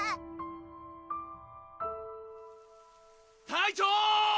隊長！